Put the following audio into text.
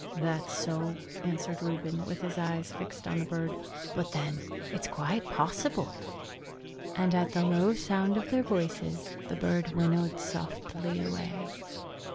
"That's so," answered Reuben, with his eyes fixed on the bird, "but then it's quite possible!" And at the low sound of their voices the bird winnowed softly away.